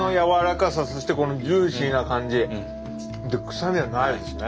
臭みはないですね。